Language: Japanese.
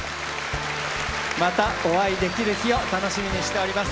またお会いできる日を楽しみにしております。